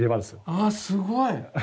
あすごい！